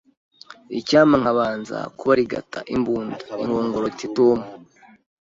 icyampa nkabanza kubarigata imbunda. " Inkongoro iti: “Tom!”